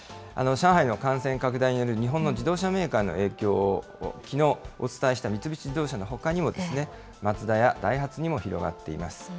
上海の感染拡大による日本の自動車メーカーの影響、きのう、お伝えした三菱自動車のほかにもマツダやダイハツにも広がっています。